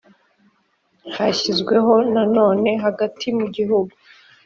hashyizweho na none hagati mu gihugu